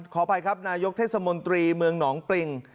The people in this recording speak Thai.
ขออภัยครับนายกเทศมนตรีเมืองหนองปริง